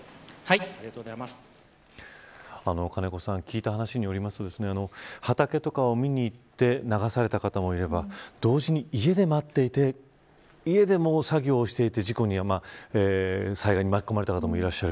金子さん聞いた話によりますと畑とかを見にいって流された方もいれば同時に家で待っていて家でも作業をしていて災害に巻き込まれた方もいる。